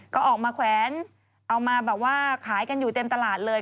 ก็ออกมาแขวนเอามาแบบว่าขายกันอยู่เต็มตลาดเลย